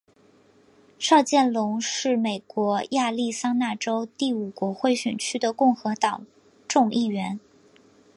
邵建隆是美国亚利桑那州第五国会选区的共和党众议员。